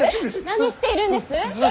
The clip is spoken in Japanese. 何しているんです！